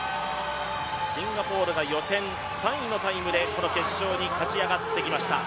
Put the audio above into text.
シンガポールが予選３位のタイムでこの決勝に勝ち上がってきました。